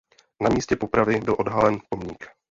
Na místě popravy byl odhalen pomník.